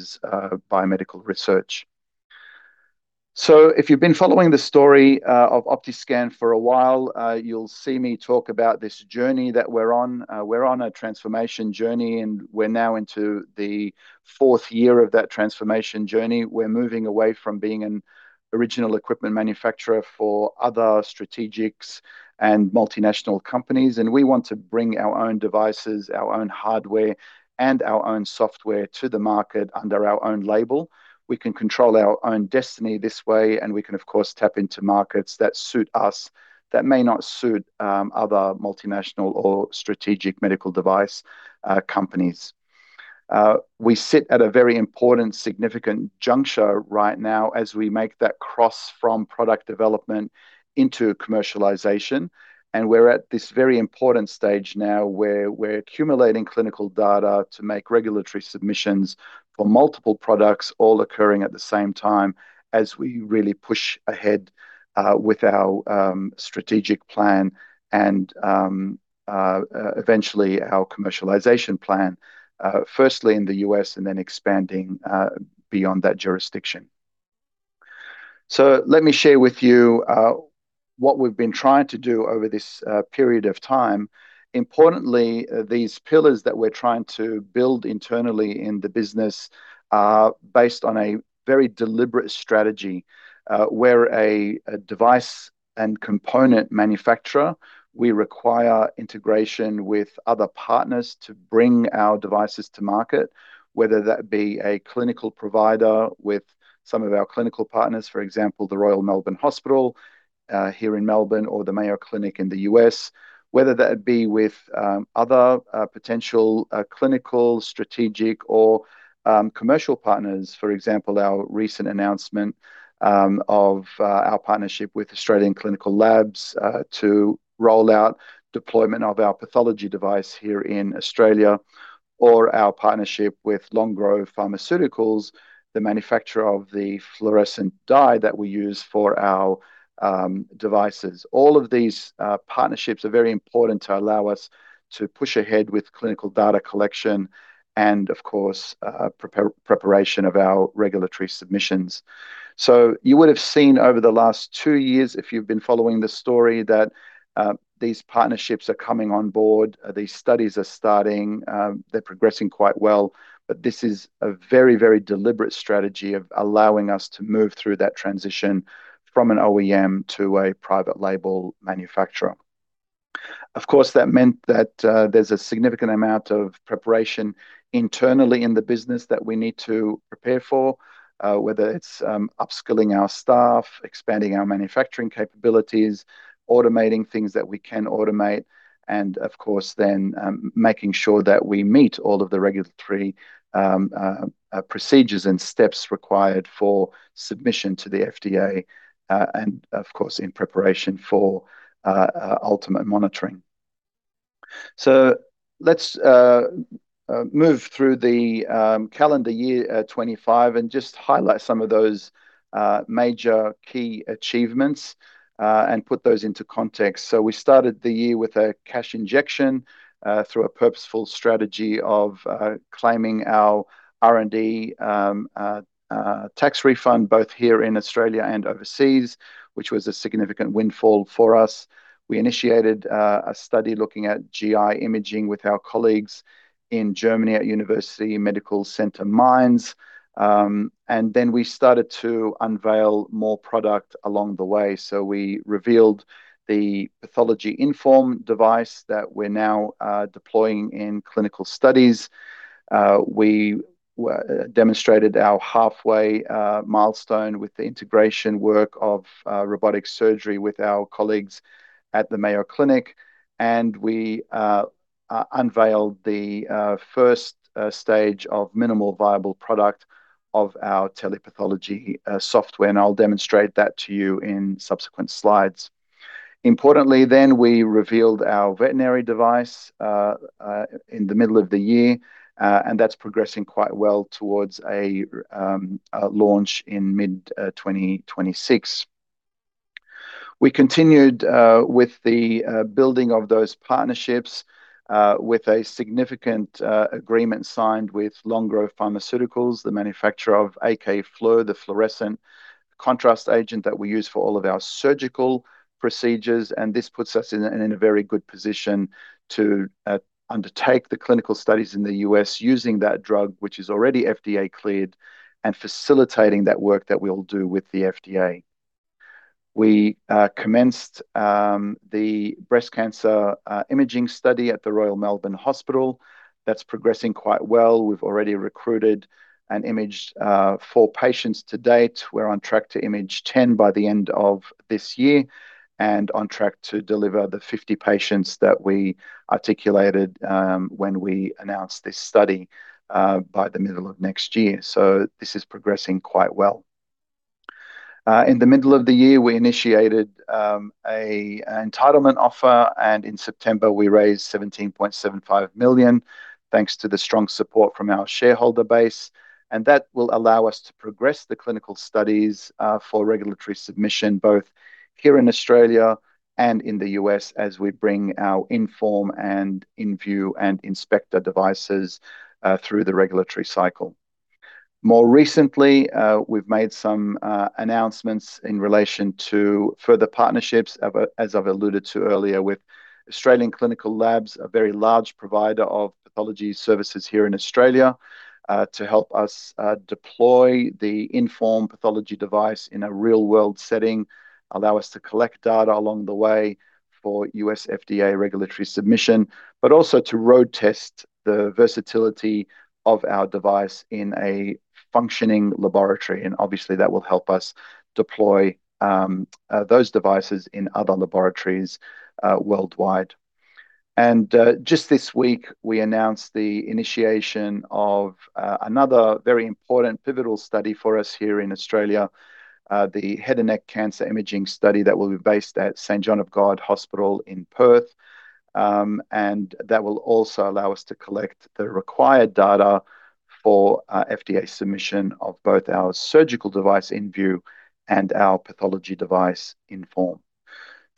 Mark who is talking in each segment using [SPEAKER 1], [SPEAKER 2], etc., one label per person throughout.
[SPEAKER 1] It's biomedical research. So if you've been following the story of Optiscan for a while, you'll see me talk about this journey that we're on. We're on a transformation journey, and we're now into the fourth year of that transformation journey. We're moving away from being an original equipment manufacturer for other strategics and multinational companies, and we want to bring our own devices, our own hardware, and our own software to the market under our own label. We can control our own destiny this way, and we can, of course, tap into markets that suit us, that may not suit other multinational or strategic medical device companies. We sit at a very important, significant juncture right now as we make that cross from product development into commercialization, and we're at this very important stage now where we're accumulating clinical data to make regulatory submissions for multiple products, all occurring at the same time as we really push ahead with our strategic plan and, eventually our commercialization plan, firstly in the U.S. and then expanding beyond that jurisdiction. So let me share with you what we've been trying to do over this period of time. Importantly, these pillars that we're trying to build internally in the business, based on a very deliberate strategy, as a device and component manufacturer, we require integration with other partners to bring our devices to market, whether that be a clinical provider with some of our clinical partners, for example, The Royal Melbourne Hospital, here in Melbourne, or the Mayo Clinic in the U.S., whether that be with other potential clinical, strategic, or commercial partners. For example, our recent announcement of our partnership with Australian Clinical Labs, to roll out deployment of our pathology device here in Australia, or our partnership with Long Grove Pharmaceuticals, the manufacturer of the fluorescent dye that we use for our devices. All of these partnerships are very important to allow us to push ahead with clinical data collection and, of course, preparation of our regulatory submissions. So you would have seen over the last two years, if you've been following the story, that these partnerships are coming on board, these studies are starting, they're progressing quite well, but this is a very, very deliberate strategy of allowing us to move through that transition from an OEM to a private label manufacturer. Of course, that meant that there's a significant amount of preparation internally in the business that we need to prepare for, whether it's upskilling our staff, expanding our manufacturing capabilities, automating things that we can automate, and, of course, then making sure that we meet all of the regulatory procedures and steps required for submission to the FDA, and, of course, in preparation for ultimate monitoring. So let's move through the calendar year 2025, and just highlight some of those major key achievements, and put those into context. We started the year with a cash injection, through a purposeful strategy of claiming our R&D tax refund both here in Australia and overseas, which was a significant windfall for us. We initiated a study looking at GI imaging with our colleagues in Germany at University Medical Center Mainz, and then we started to unveil more product along the way. We revealed the pathology InForm device that we're now deploying in clinical studies. We demonstrated our halfway milestone with the integration work of robotic surgery with our colleagues at the Mayo Clinic, and we unveiled the first stage of minimum viable product of our telepathology software, and I'll demonstrate that to you in subsequent slides. Importantly, then we revealed our veterinary device in the middle of the year, and that's progressing quite well towards a launch in mid-2026. We continued with the building of those partnerships with a significant agreement signed with Long Grove Pharmaceuticals, the manufacturer of AK-FLUOR, the fluorescent contrast agent that we use for all of our surgical procedures, and this puts us in a very good position to undertake the clinical studies in the U.S. using that drug, which is already FDA cleared, and facilitating that work that we'll do with the FDA. We commenced the breast cancer imaging study at The Royal Melbourne Hospital. That's progressing quite well. We've already recruited and imaged four patients to date. We're on track to image 10 by the end of this year and on track to deliver the 50 patients that we articulated when we announced this study by the middle of next year. This is progressing quite well. In the middle of the year, we initiated an entitlement offer, and in September, we raised 17.75 million, thanks to the strong support from our shareholder base, and that will allow us to progress the clinical studies for regulatory submission both here in Australia and in the U.S. as we bring our InForm and InView and InSpecta devices through the regulatory cycle. More recently, we've made some announcements in relation to further partnerships, as I've alluded to earlier, with Australian Clinical Labs, a very large provider of pathology services here in Australia, to help us deploy the InForm pathology device in a real-world setting, allow us to collect data along the way for U.S. FDA regulatory submission, but also to road test the versatility of our device in a functioning laboratory, and obviously that will help us deploy those devices in other laboratories worldwide. And just this week, we announced the initiation of another very important pivotal study for us here in Australia, the head and neck cancer imaging study that will be based at St John of God Hospital in Perth, and that will also allow us to collect the required data for FDA submission of both our surgical device InView and our pathology device InForm.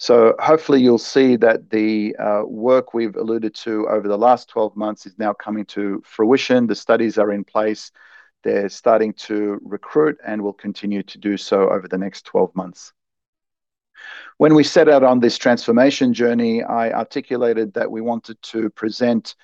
[SPEAKER 1] So hopefully you'll see that the work we've alluded to over the last 12 months is now coming to fruition. The studies are in place. They're starting to recruit and will continue to do so over the next 12 months. When we set out on this transformation journey, I articulated that we wanted to present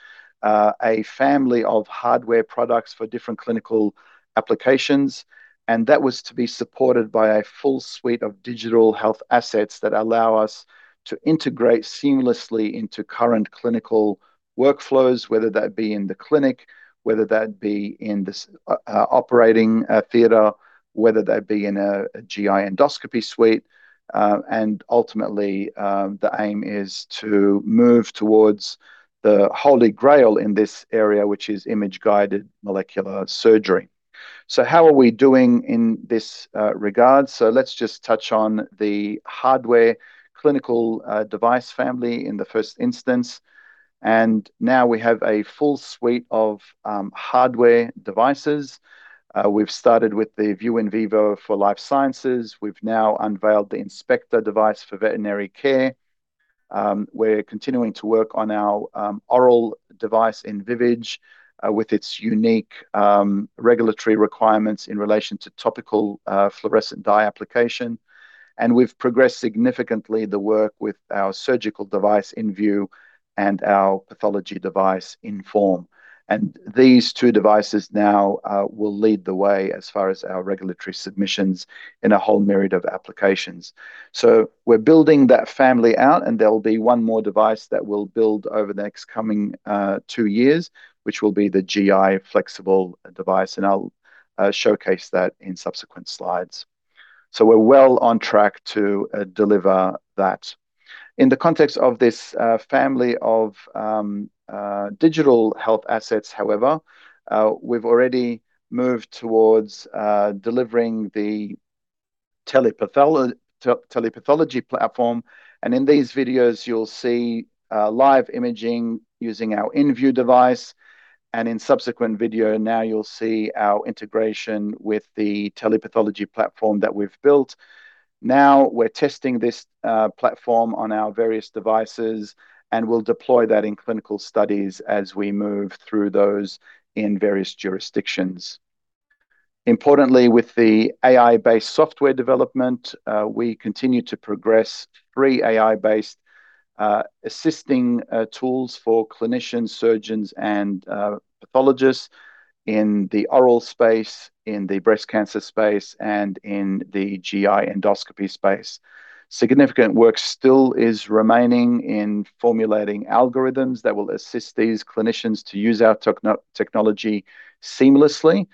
[SPEAKER 1] a family of hardware products for different clinical applications, and that was to be supported by a full suite of digital health assets that allow us to integrate seamlessly into current clinical workflows, whether that be in the clinic, whether that be in the operating theater, whether that be in a GI endoscopy suite, and ultimately, the aim is to move towards the Holy Grail in this area, which is image-guided molecular surgery. So how are we doing in this regard? So let's just touch on the hardware clinical device family in the first instance, and now we have a full suite of hardware devices. We've started with the ViewnVivo for life sciences. We've now unveiled the InSpecta device for veterinary care. We're continuing to work on our oral device InVivage with its unique regulatory requirements in relation to topical fluorescent dye application, and we've progressed significantly the work with our surgical device InView and our pathology device InForm. And these two devices now will lead the way as far as our regulatory submissions in a whole myriad of applications. So we're building that family out, and there'll be one more device that we'll build over the next coming two years, which will be the GI flexible device, and I'll showcase that in subsequent slides. So we're well on track to deliver that. In the context of this family of digital health assets, however, we've already moved towards delivering the telepathology platform, and in these videos, you'll see live imaging using our InView device, and in subsequent video now, you'll see our integration with the telepathology platform that we've built. Now we're testing this platform on our various devices, and we'll deploy that in clinical studies as we move through those in various jurisdictions. Importantly, with the AI-based software development, we continue to progress three AI-based assisting tools for clinicians, surgeons, and pathologists in the oral space, in the breast cancer space, and in the GI endoscopy space. Significant work still is remaining in formulating algorithms that will assist these clinicians to use our technology seamlessly,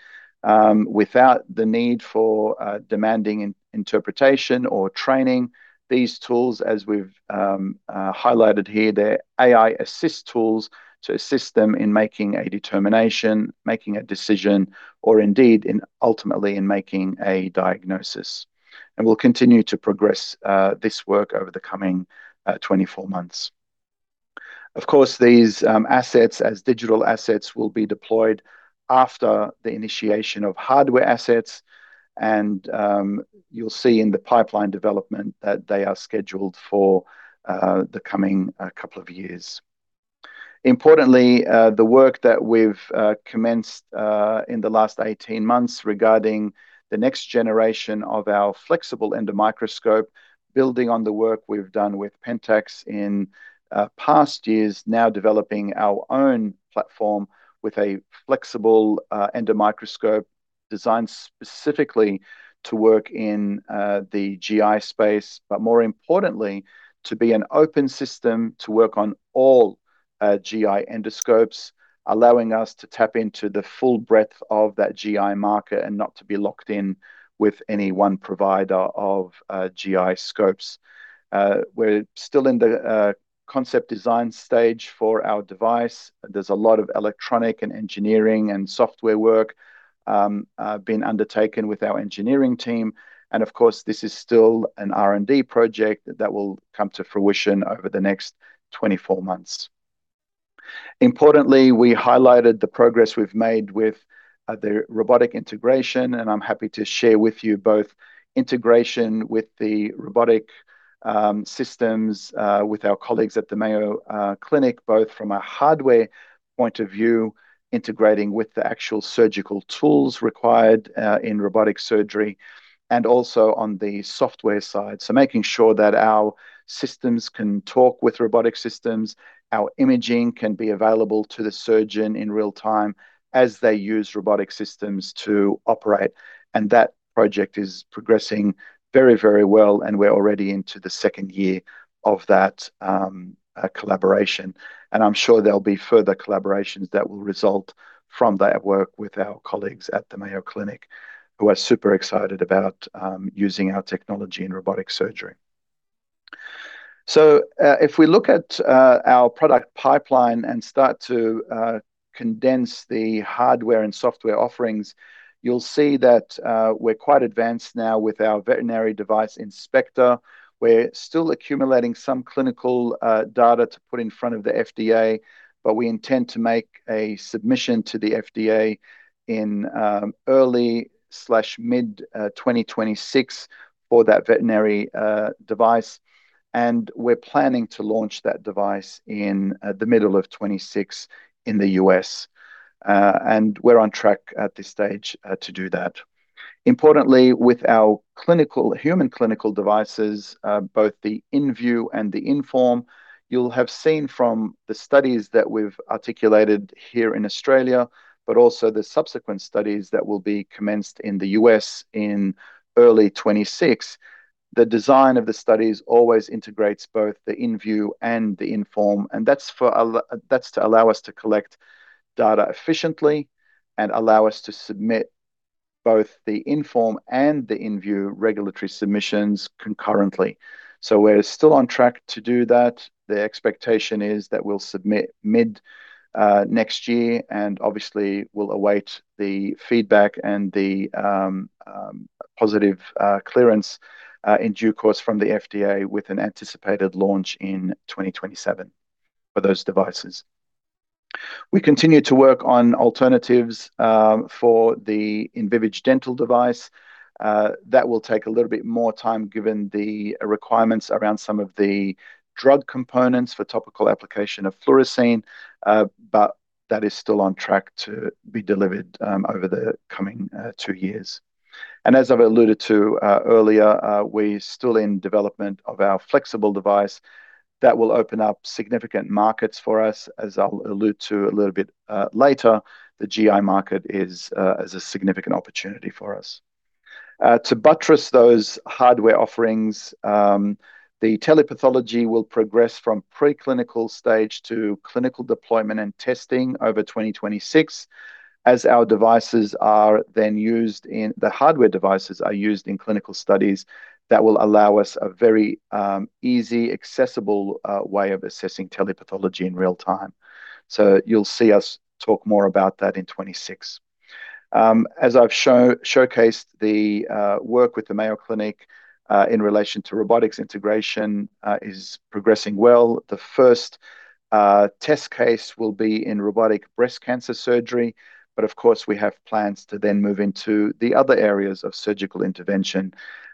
[SPEAKER 1] without the need for demanding interpretation or training. These tools, as we've highlighted here, they're AI-assist tools to assist them in making a determination, making a decision, or indeed, ultimately in making a diagnosis, and we'll continue to progress this work over the coming 24 months. Of course, these assets as digital assets will be deployed after the initiation of hardware assets, and you'll see in the pipeline development that they are scheduled for the coming couple of years. Importantly, the work that we've commenced in the last 18 months regarding the next generation of our flexible endomicroscope, building on the work we've done with Pentax in past years, now developing our own platform with a flexible endomicroscope designed specifically to work in the GI space, but more importantly, to be an open system to work on all GI endoscopes, allowing us to tap into the full breadth of that GI market and not to be locked in with any one provider of GI scopes. We're still in the concept design stage for our device. There's a lot of electronic and engineering and software work, being undertaken with our engineering team, and of course, this is still an R&D project that will come to fruition over the next 24 months. Importantly, we highlighted the progress we've made with the robotic integration, and I'm happy to share with you both integration with the robotic systems, with our colleagues at the Mayo Clinic, both from a hardware point of view, integrating with the actual surgical tools required in robotic surgery, and also on the software side. So making sure that our systems can talk with robotic systems, our imaging can be available to the surgeon in real time as they use robotic systems to operate, and that project is progressing very, very well, and we're already into the second year of that collaboration, and I'm sure there'll be further collaborations that will result from that work with our colleagues at the Mayo Clinic who are super excited about using our technology in robotic surgery. So, if we look at our product pipeline and start to condense the hardware and software offerings, you'll see that we're quite advanced now with our veterinary device InSpecta. We're still accumulating some clinical data to put in front of the FDA, but we intend to make a submission to the FDA in early/mid 2026 for that veterinary device, and we're planning to launch that device in the middle of 2026 in the U.S., and we're on track at this stage to do that. Importantly, with our clinical human clinical devices, both the InView and the InForm, you'll have seen from the studies that we've articulated here in Australia, but also the subsequent studies that will be commenced in the U.S. in early 2026, the design of the studies always integrates both the InView and the InForm, and that's for a lot that's to allow us to collect data efficiently and allow us to submit both the InForm and the InView regulatory submissions concurrently. So we're still on track to do that. The expectation is that we'll submit mid next year, and obviously we'll await the feedback and the positive clearance in due course from the FDA with an anticipated launch in 2027 for those devices. We continue to work on alternatives for the InVivage dental device that will take a little bit more time given the requirements around some of the drug components for topical application of fluorescein, but that is still on track to be delivered over the coming two years. And as I've alluded to earlier, we're still in development of our flexible device that will open up significant markets for us, as I'll allude to a little bit later. The GI market is as a significant opportunity for us. To buttress those hardware offerings, the telepathology will progress from preclinical stage to clinical deployment and testing over 2026, as our devices are then used in clinical studies that will allow us a very easy accessible way of assessing telepathology in real time. So you'll see us talk more about that in 2026. As I've showcased, the work with the Mayo Clinic in relation to robotics integration is progressing well. The first test case will be in robotic breast cancer surgery, but of course we have plans to then move into the other areas of surgical intervention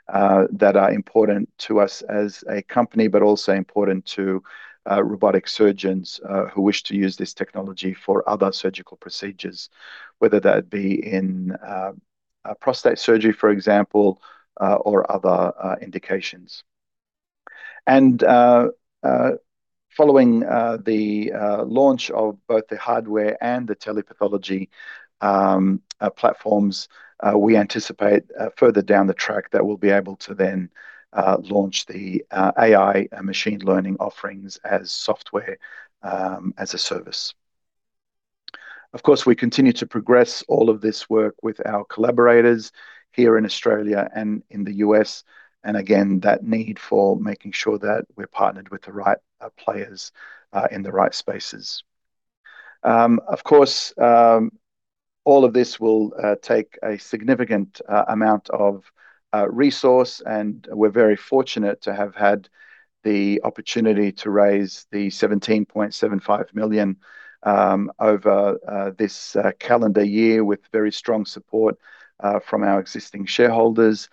[SPEAKER 1] that are important to us as a company, but also important to robotic surgeons who wish to use this technology for other surgical procedures, whether that be in prostate surgery, for example, or other indications. Following the launch of both the hardware and the telepathology platforms, we anticipate further down the track that we'll be able to then launch the AI machine learning offerings as software as a service. Of course, we continue to progress all of this work with our collaborators here in Australia and in the U.S., and again, that need for making sure that we're partnered with the right players in the right spaces. Of course, all of this will take a significant amount of resource, and we're very fortunate to have had the opportunity to raise 17.75 million over this calendar year with very strong support from our existing shareholders.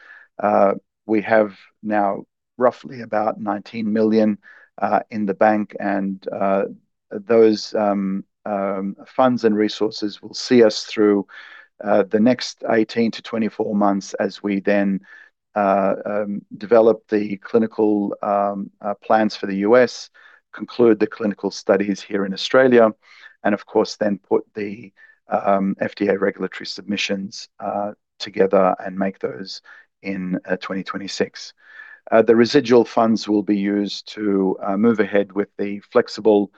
[SPEAKER 1] We have now roughly about 19 million in the bank, and those funds and resources will see us through the next 18 to 24 months as we then develop the clinical plans for the U.S., conclude the clinical studies here in Australia, and of course then put the FDA regulatory submissions together and make those in 2026. The residual funds will be used to move ahead with the flexible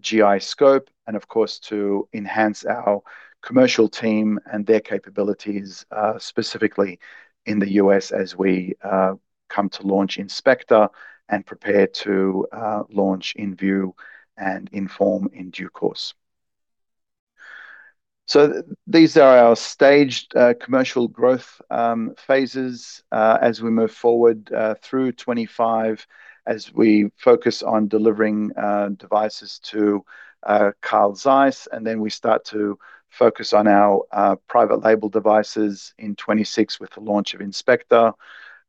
[SPEAKER 1] GI scope and of course to enhance our commercial team and their capabilities, specifically in the U.S. as we come to launch InSpecta and prepare to launch InView and InForm in due course. So these are our staged commercial growth phases as we move forward through 2025 as we focus on delivering devices to Carl Zeiss and then we start to focus on our private label devices in 2026 with the launch of InSpecta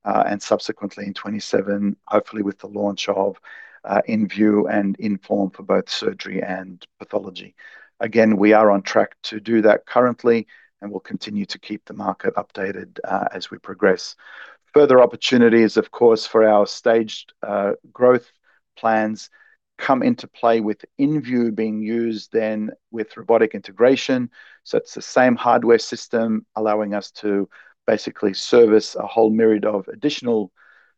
[SPEAKER 1] and subsequently in 2027 hopefully with the launch of InView and InForm for both surgery and pathology. Again, we are on track to do that currently, and we'll continue to keep the market updated as we progress. Further opportunities of course for our staged growth plans come into play with InView being used then with robotic integration. So it's the same hardware system allowing us to basically service a whole myriad of additional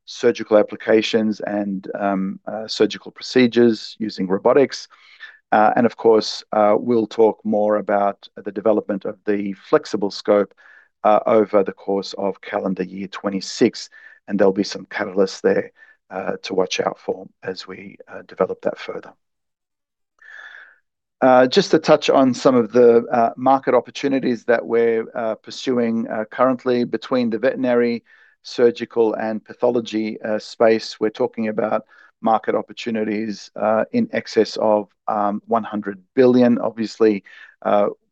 [SPEAKER 1] surgical applications and surgical procedures using robotics. And of course, we'll talk more about the development of the flexible scope over the course of calendar year 2026, and there'll be some catalysts there to watch out for as we develop that further. Just to touch on some of the market opportunities that we're pursuing currently between the veterinary surgical and pathology space, we're talking about market opportunities in excess of $100 billion. Obviously,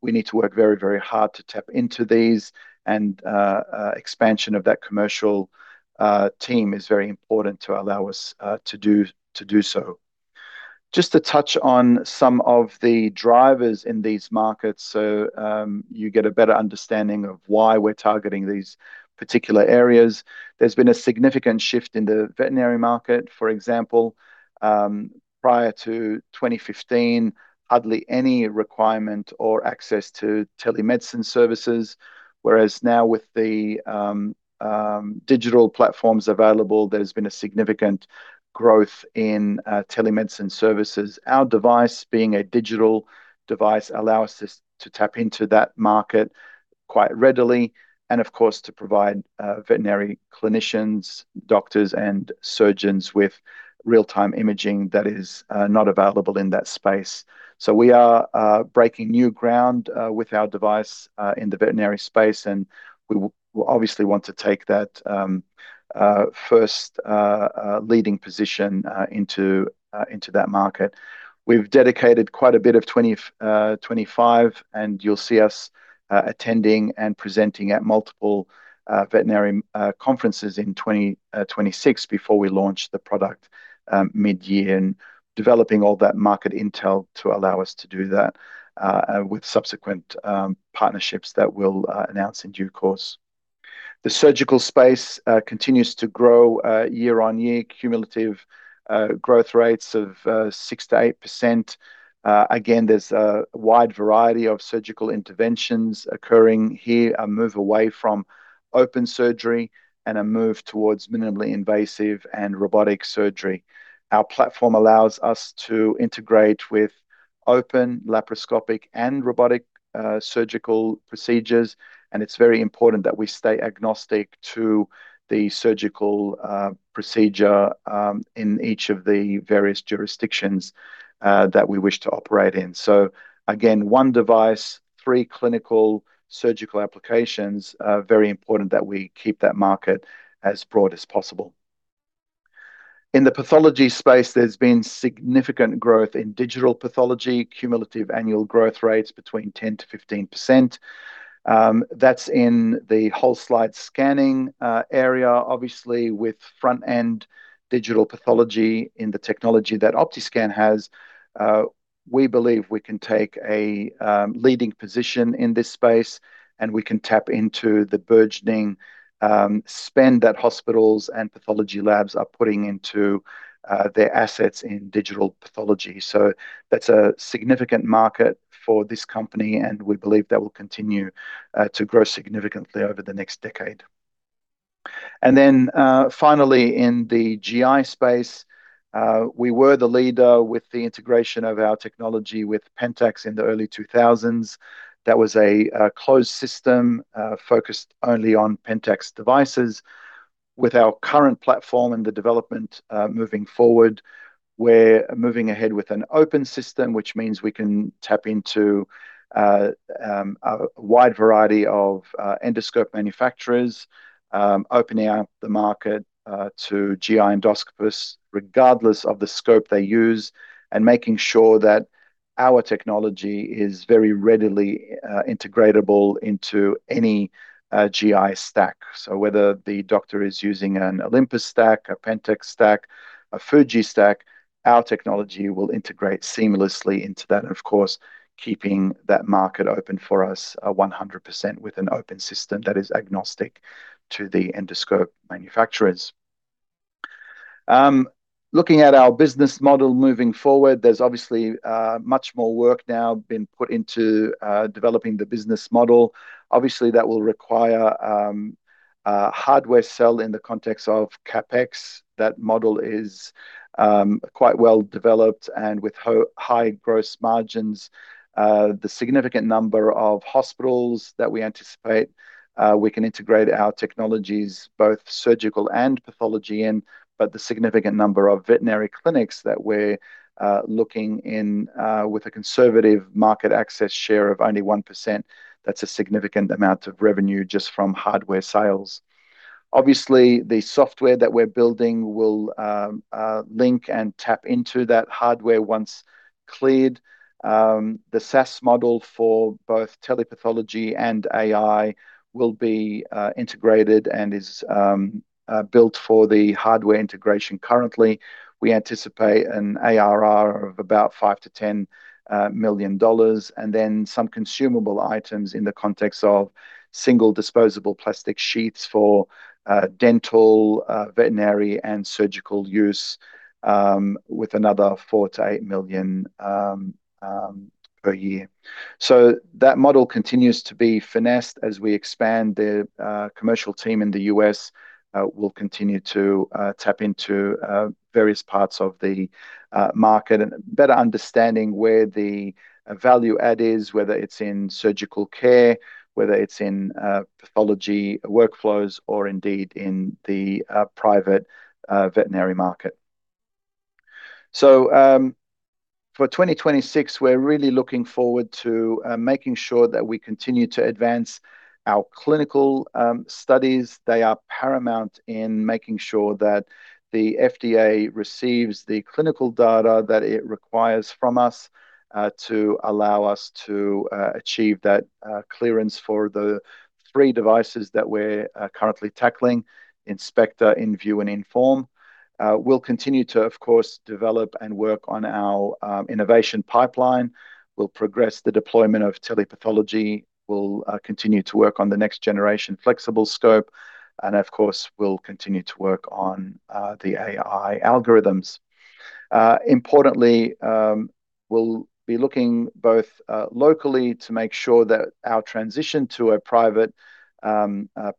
[SPEAKER 1] we need to work very, very hard to tap into these, and expansion of that commercial team is very important to allow us to do so. Just to touch on some of the drivers in these markets so you get a better understanding of why we're targeting these particular areas. There's been a significant shift in the veterinary market, for example, prior to 2015, hardly any requirement or access to telemedicine services, whereas now with the digital platforms available, there's been a significant growth in telemedicine services. Our device, being a digital device, allows us to tap into that market quite readily and, of course, to provide veterinary clinicians, doctors, and surgeons with real-time imaging that is not available in that space. So we are breaking new ground with our device in the veterinary space, and we will obviously want to take that first leading position into that market. We've dedicated quite a bit of 2020, 2025, and you'll see us attending and presenting at multiple veterinary conferences in 2020, 2026 before we launch the product mid-year and developing all that market intel to allow us to do that with subsequent partnerships that we'll announce in due course. The surgical space continues to grow year on year, cumulative growth rates of 6%-8%. Again, there's a wide variety of surgical interventions occurring here, a move away from open surgery and a move towards minimally invasive and robotic surgery. Our platform allows us to integrate with open laparoscopic and robotic surgical procedures, and it's very important that we stay agnostic to the surgical procedure in each of the various jurisdictions that we wish to operate in. So again, one device, three clinical surgical applications, very important that we keep that market as broad as possible. In the pathology space, there's been significant growth in digital pathology, cumulative annual growth rates between 10%-15%. That's in the whole slide scanning area, obviously with front-end digital pathology in the technology that Optiscan has. We believe we can take a leading position in this space, and we can tap into the burgeoning spend that hospitals and pathology labs are putting into their assets in digital pathology, so that's a significant market for this company, and we believe that will continue to grow significantly over the next decade, and then finally in the GI space, we were the leader with the integration of our technology with Pentax in the early 2000s. That was a closed system, focused only on Pentax devices. With our current platform and the development moving forward, we're moving ahead with an open system, which means we can tap into a wide variety of endoscope manufacturers, opening up the market to GI endoscopists regardless of the scope they use and making sure that our technology is very readily integratable into any GI stack. So whether the doctor is using an Olympus stack, a Pentax stack, a Fuji stack, our technology will integrate seamlessly into that, and of course, keeping that market open for us, 100% with an open system that is agnostic to the endoscope manufacturers. Looking at our business model moving forward, there's obviously much more work now been put into developing the business model. Obviously, that will require hardware sale in the context of CapEx. That model is quite well developed and with high gross margins. The significant number of hospitals that we anticipate we can integrate our technologies, both surgical and pathology in, but the significant number of veterinary clinics that we're looking in, with a conservative market access share of only 1%, that's a significant amount of revenue just from hardware sales. Obviously, the software that we're building will link and tap into that hardware once cleared. The SaaS model for both telepathology and AI will be integrated and is built for the hardware integration. Currently, we anticipate an ARR of about $5 million-$10 million and then some consumable items in the context of single disposable plastic sheets for dental, veterinary and surgical use, with another $4 million-$8 million per year. That model continues to be finessed as we expand the commercial team in the U.S. We will continue to tap into various parts of the market and better understand where the value add is, whether it's in surgical care, whether it's in pathology workflows, or indeed in the private veterinary market. For 2026, we're really looking forward to making sure that we continue to advance our clinical studies. They are paramount in making sure that the FDA receives the clinical data that it requires from us to allow us to achieve that clearance for the three devices that we're currently tackling: InSpecta, InView, and Inform. We'll continue to, of course, develop and work on our innovation pipeline. We'll progress the deployment of telepathology. We'll continue to work on the next generation flexible scope, and of course, we'll continue to work on the AI algorithms. Importantly, we'll be looking both locally to make sure that our transition to a private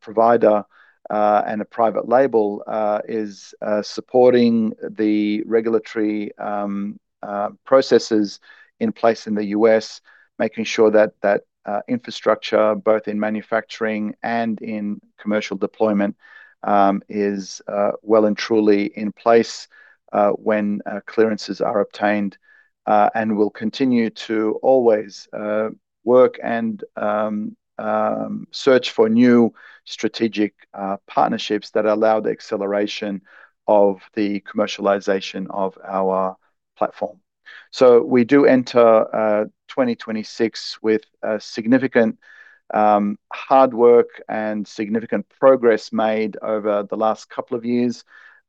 [SPEAKER 1] provider and a private label is supporting the regulatory processes in place in the U.S., making sure that that infrastructure, both in manufacturing and in commercial deployment, is well and truly in place when clearances are obtained. And we'll continue to always work and search for new strategic partnerships that allow the acceleration of the commercialization of our platform. So we do enter 2026 with significant hard work and significant progress made over the last couple of years.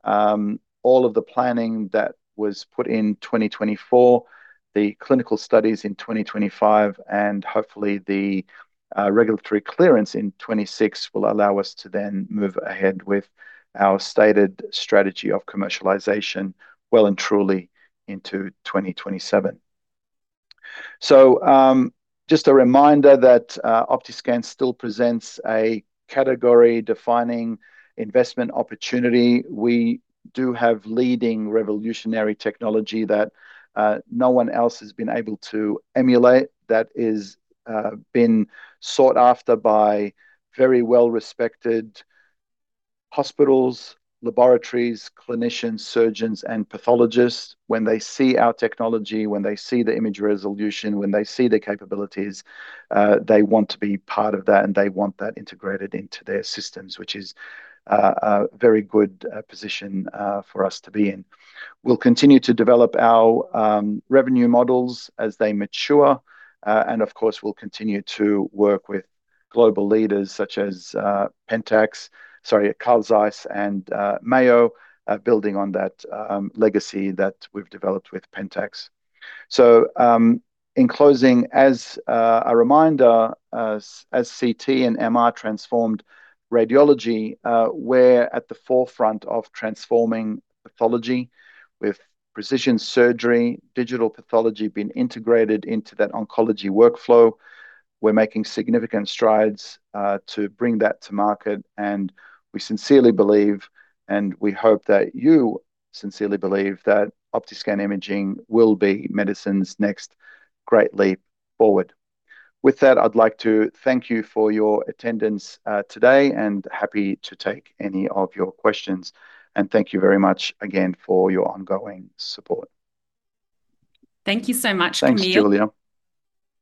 [SPEAKER 1] All of the planning that was put in 2024, the clinical studies in 2025, and hopefully the regulatory clearance in 2026 will allow us to then move ahead with our stated strategy of commercialization well and truly into 2027. So just a reminder that Optiscan still presents a category-defining investment opportunity. We do have leading revolutionary technology that no one else has been able to emulate that is been sought after by very well-respected hospitals, laboratories, clinicians, surgeons, and pathologists. When they see our technology, when they see the image resolution, when they see the capabilities, they want to be part of that, and they want that integrated into their systems, which is a very good position for us to be in. We'll continue to develop our revenue models as they mature, and of course, we'll continue to work with global leaders such as Pentax, sorry, Carl Zeiss and Mayo, building on that legacy that we've developed with Pentax. So, in closing, as a reminder, as CT and MR transformed radiology, we're at the forefront of transforming pathology with precision surgery, digital pathology being integrated into that oncology workflow. We're making significant strides to bring that to market, and we sincerely believe, and we hope that you sincerely believe that Optiscan Imaging will be medicine's next great leap forward. With that, I'd like to thank you for your attendance today, and happy to take any of your questions. And thank you very much again for your ongoing support. Thank you so much, Camile.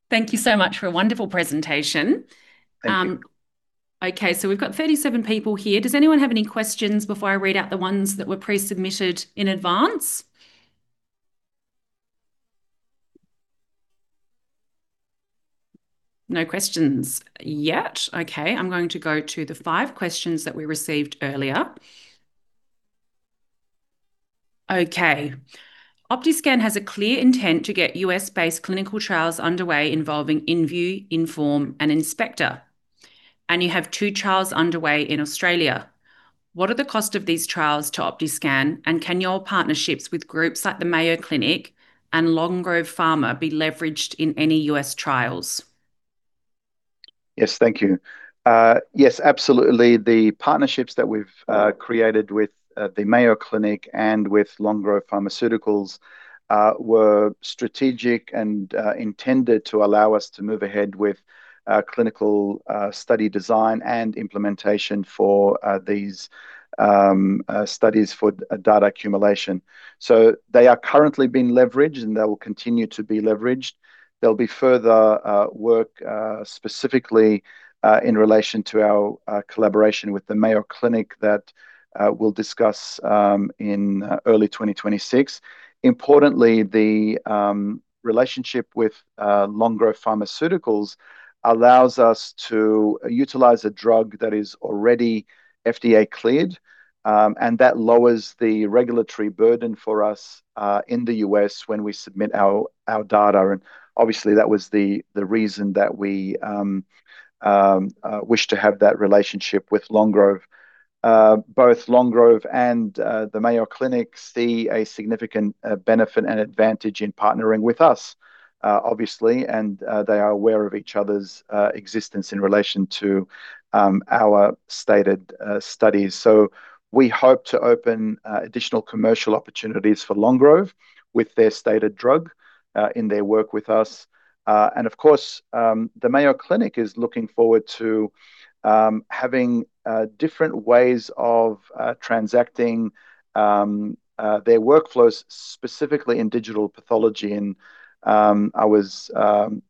[SPEAKER 1] Thank you so much for a wonderful presentation. Okay, so we've got 37 people here. Does anyone have any questions before I read out the ones that were pre-submitted in advance? No questions yet. Okay, I'm going to go to the five questions that we received earlier. Okay, Optiscan has a clear intent to get U.S.-based clinical trials underway involving InView, InForm, and InSpecta, and you have two trials underway in Australia. What are the costs of these trials to Optiscan, and can your partnerships with groups like the Mayo Clinic and Long Grove Pharmaceuticals be leveraged in any U.S. trials? Yes, thank you. Yes, absolutely. The partnerships that we've created with the Mayo Clinic and with Long Grove Pharmaceuticals were strategic and intended to allow us to move ahead with clinical study design and implementation for these studies for data accumulation. So they are currently being leveraged, and they will continue to be leveraged. There'll be further work, specifically in relation to our collaboration with the Mayo Clinic that we'll discuss in early 2026. Importantly, the relationship with Long Grove Pharmaceuticals allows us to utilize a drug that is already FDA cleared, and that lowers the regulatory burden for us in the U.S. when we submit our data, and obviously, that was the reason that we wish to have that relationship with Long Grove. Both Long Grove and the Mayo Clinic see a significant benefit and advantage in partnering with us, obviously, and they are aware of each other's existence in relation to our stated studies, so we hope to open additional commercial opportunities for Long Grove with their stated drug in their work with us, and of course, the Mayo Clinic is looking forward to having different ways of transacting their workflows specifically in digital pathology. I was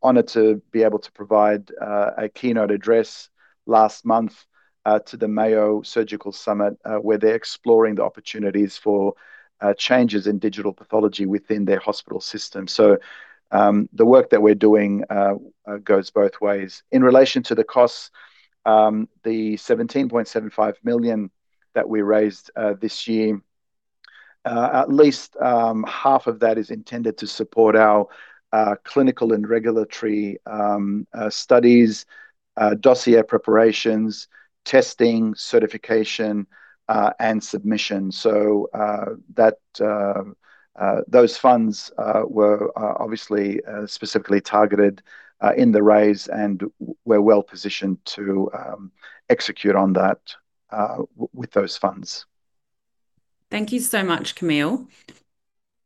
[SPEAKER 1] honored to be able to provide a keynote address last month to the Mayo Surgical Summit, where they're exploring the opportunities for changes in digital pathology within their hospital system. So, the work that we're doing goes both ways. In relation to the costs, the 17.75 million that we raised this year, at least half of that is intended to support our clinical and regulatory studies, dossier preparations, testing, certification, and submission. So, that, those funds were obviously specifically targeted in the raise and were well positioned to execute on that with those funds. Thank you so much, Camile.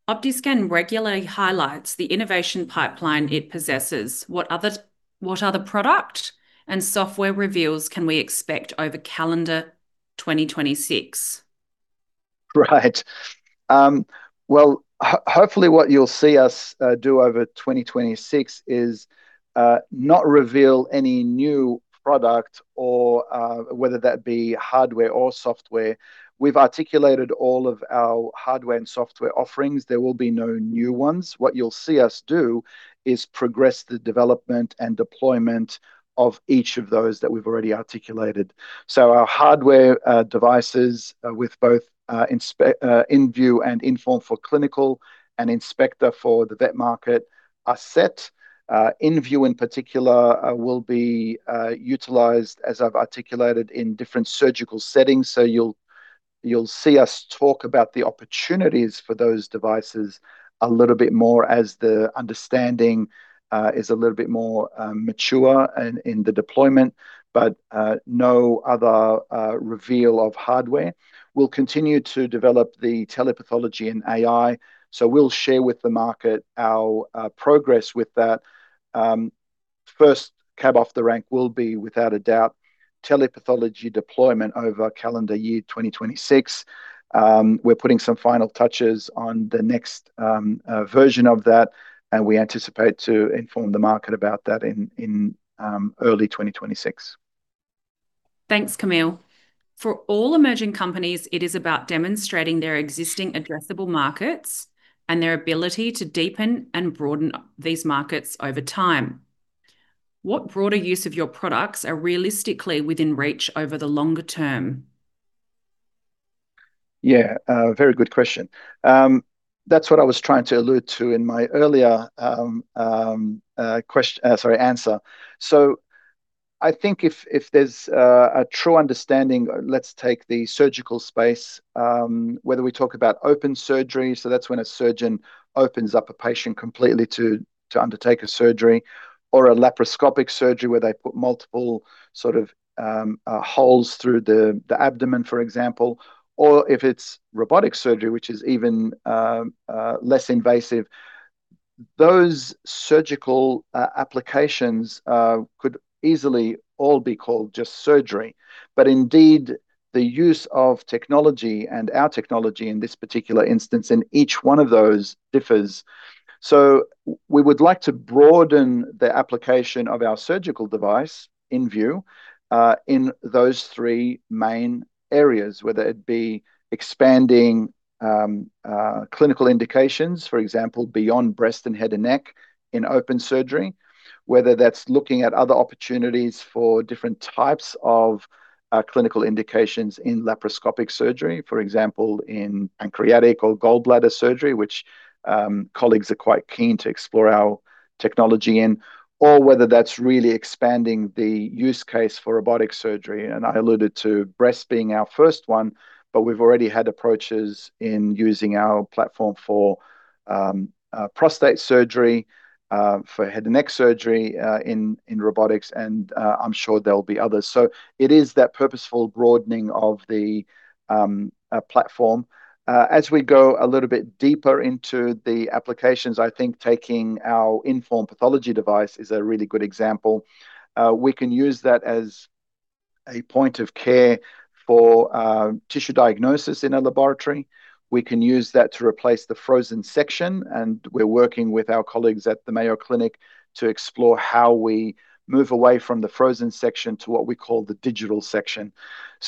[SPEAKER 1] Optiscan regularly highlights the innovation pipeline it possesses. What other product and software reveals can we expect over calendar 2026? Right. Well, hopefully what you'll see us do over 2026 is not reveal any new product or, whether that be hardware or software. We've articulated all of our hardware and software offerings. There will be no new ones. What you'll see us do is progress the development and deployment of each of those that we've already articulated, so our hardware devices, with both InView and InForm for clinical and InSpecta for the vet market, are set. InView in particular will be utilized, as I've articulated, in different surgical settings, so you'll see us talk about the opportunities for those devices a little bit more as the understanding is a little bit more mature and in the deployment, but no other reveal of hardware. We'll continue to develop the telepathology and AI, so we'll share with the market our progress with that. First cab off the rank will be, without a doubt, telepathology deployment over calendar year 2026. We're putting some final touches on the next version of that, and we anticipate to inform the market about that in early 2026. Thanks, Camile. For all emerging companies, it is about demonstrating their existing addressable markets and their ability to deepen and broaden these markets over time. What broader use of your products are realistically within reach over the longer term? Yeah, very good question. That's what I was trying to allude to in my earlier question, sorry, answer. So I think if there's a true understanding, let's take the surgical space, whether we talk about open surgery, so that's when a surgeon opens up a patient completely to undertake a surgery or a laparoscopic surgery where they put multiple sort of holes through the abdomen, for example, or if it's robotic surgery, which is even less invasive, those surgical applications could easily all be called just surgery. But indeed, the use of technology and our technology in this particular instance in each one of those differs. So we would like to broaden the application of our surgical device InView, in those three main areas, whether it be expanding clinical indications, for example, beyond breast and head and neck in open surgery, whether that's looking at other opportunities for different types of clinical indications in laparoscopic surgery, for example, in pancreatic or gallbladder surgery, which colleagues are quite keen to explore our technology in, or whether that's really expanding the use case for robotic surgery. And I alluded to breast being our first one, but we've already had approaches in using our platform for prostate surgery, for head and neck surgery in robotics, and I'm sure there'll be others. So it is that purposeful broadening of the platform as we go a little bit deeper into the applications. I think taking our InForm pathology device is a really good example. We can use that as a point of care for tissue diagnosis in a laboratory. We can use that to replace the frozen section, and we're working with our colleagues at the Mayo Clinic to explore how we move away from the frozen section to what we call the digital section.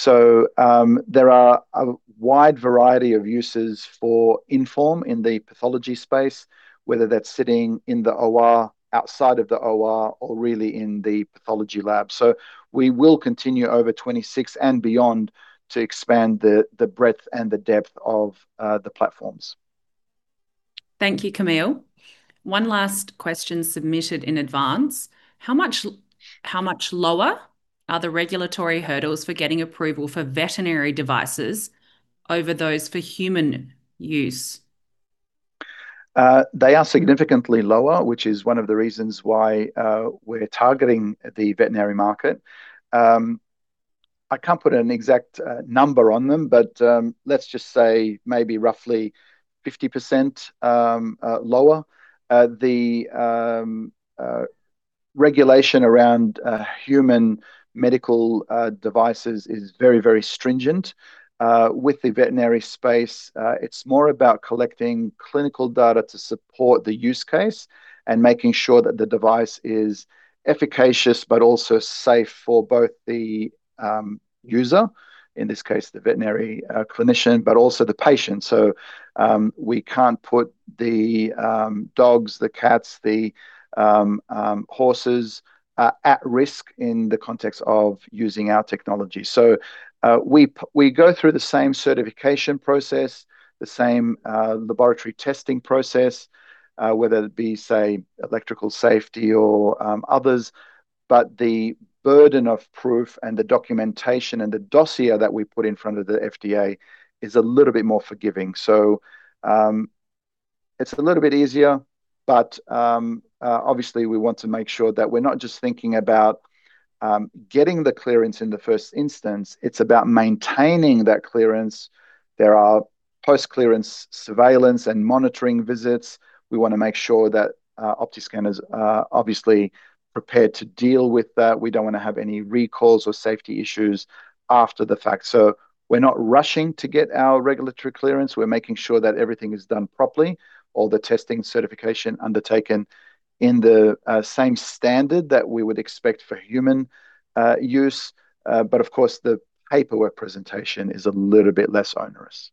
[SPEAKER 1] There are a wide variety of uses for Inform in the pathology space, whether that's sitting in the OR, outside of the OR, or really in the pathology lab. We will continue over 2026 and beyond to expand the breadth and the depth of the platforms. Thank you, Camile. One last question submitted in advance. How much, how much lower are the regulatory hurdles for getting approval for veterinary devices over those for human use? They are significantly lower, which is one of the reasons why we're targeting the veterinary market. I can't put an exact number on them, but let's just say maybe roughly 50% lower. The regulation around human medical devices is very, very stringent. With the veterinary space, it's more about collecting clinical data to support the use case and making sure that the device is efficacious, but also safe for both the user, in this case, the veterinary clinician, but also the patient. So, we can't put the dogs, the cats, the horses at risk in the context of using our technology. So, we go through the same certification process, the same laboratory testing process, whether it be, say, electrical safety or others, but the burden of proof and the documentation and the dossier that we put in front of the FDA is a little bit more forgiving. So, it's a little bit easier, but obviously we want to make sure that we're not just thinking about getting the clearance in the first instance. It's about maintaining that clearance. There are post-clearance surveillance and monitoring visits. We want to make sure that Optiscan is obviously prepared to deal with that. We don't want to have any recalls or safety issues after the fact. So we're not rushing to get our regulatory clearance. We're making sure that everything is done properly, all the testing certification undertaken in the same standard that we would expect for human use. But of course, the paperwork presentation is a little bit less onerous.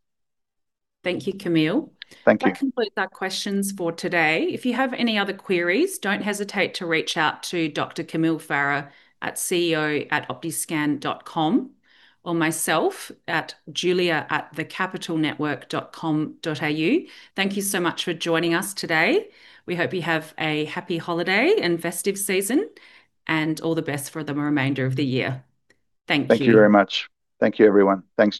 [SPEAKER 1] Thank you, Camile. That concludes our questions for today. If you have any other queries, don't hesitate to reach out to Dr. Camile Farah at ceo@optiscan.com or myself at julia@thecapitalnetwork.com.au. Thank you so much for joining us today. We hope you have a happy holiday and festive season, and all the best for the remainder of the year. Thank you. Thank you very much. Thank you, everyone. Thanks.